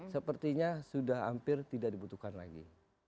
sepertinya sudah hampir tidak dibutuhkan lagi